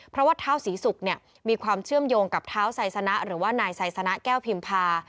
เพราะเท้าสีสุกมีความเชื่อมโยงกับเท้าใสสนะหรือว่าในใสสนะแก้วพิมพา